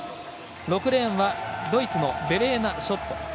６レーンはドイツのベレーナ・ショット。